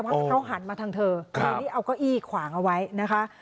เพราะถ้าเขาหันมาทางเธอคราวนี้เอาเก้าอี้ขวางเอาไว้นะคะ